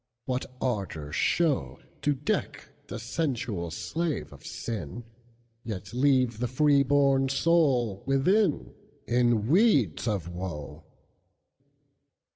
What ardor show, To deck the sensual slave of sin, Yet leave the freeborn soul within, In weeds of woe!